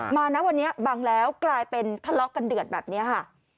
มานะวันนี้บังแล้วกลายเป็นทะเลาะกันเดือดแบบนี้ค่ะ